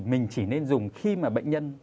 mình chỉ nên dùng khi mà bệnh nhân